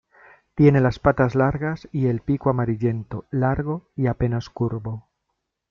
Tiene las patas largas y el pico amarillento, largo y apenas curvo.